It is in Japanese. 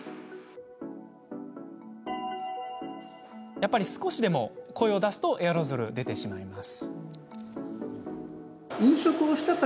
やっぱり、少しでも声を出すとエアロゾルが出てしまいます。